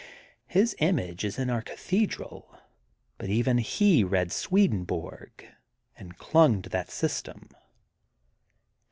His image is in our Cathedral, but even he read Swedenborg and clung to that system.